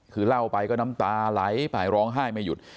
คือเล่าไปก็น้ำตาไหลไปร้องไห้ไม่หยุด